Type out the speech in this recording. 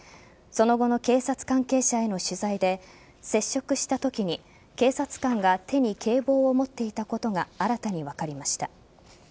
その後の警察関係者への取材で接触したときに警察官が手に警棒を持っていたことが新たに分かりました。